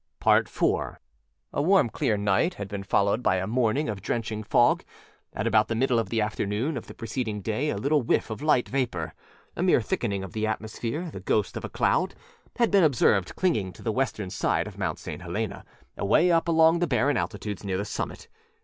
IV A WARM, clear night had been followed by a morning of drenching fog. At about the middle of the afternoon of the preceding day a little whiff of light vaporâa mere thickening of the atmosphere, the ghost of a cloudâhad been observed clinging to the western side of Mount St. Helena, away up along the barren altitudes near the summit.